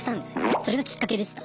それがきっかけでした。